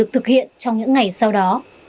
trong những ngày sau đó